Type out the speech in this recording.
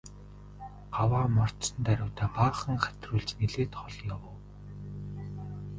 Гаваа мордсон даруйдаа баахан хатируулж нэлээд хол явав.